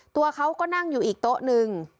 ตัวเขาก็นั่งอยู่อีกโต๊ะนึง